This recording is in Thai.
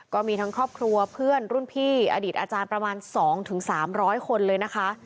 ก็มีทั้งครอบครัวเพื่อนรุ่นพี่อดีตอาจารย์ประมาณ๒๓๐๐คนเลยนะคะ